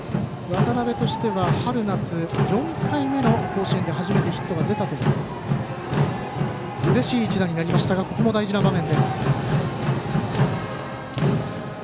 渡辺としては春夏４回目の甲子園で初めてヒットが出たといううれしい一打になりましたがここも大事な場面。